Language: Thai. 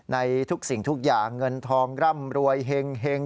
ในทุกสิ่งทุกอย่างเงินทองร่ำรวยเฮ็ง